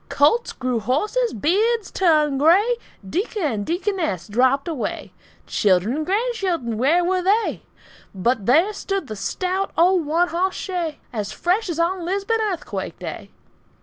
Colts grew horses, beards turned gray, Deacon and deaconess dropped away, Children and grandchildren where were they? But there stood the stout old one hoss shay As fresh as on Lisbon earthquake day!